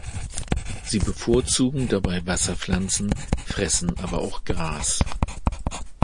Sie bevorzugen dabei Wasserpflanzen, fressen aber auch Gras.